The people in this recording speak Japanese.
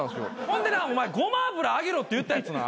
ほんでなお前ごま油あげろって言ったやつな。